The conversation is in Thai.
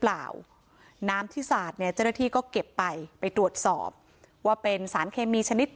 เปล่าน้ำที่สาดเนี่ยเจ้าหน้าที่ก็เก็บไปไปตรวจสอบว่าเป็นสารเคมีชนิด